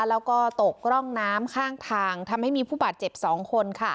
แล้วก็ตกร่องน้ำข้างทางทำให้มีผู้บาดเจ็บ๒คน